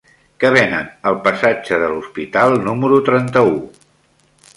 Què venen al passatge de l'Hospital número trenta-u?